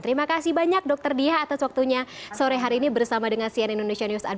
terima kasih banyak dokter diha atas waktunya sore hari ini bersama dengan cnn indonesia news upda